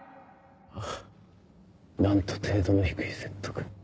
ハッなんと程度の低い説得。